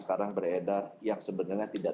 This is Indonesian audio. sekarang beredar yang sebenarnya tidak